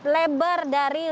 lebar dari ruangnya